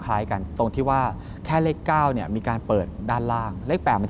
อาทิตย์นี้สุดท้ายแล้ว๙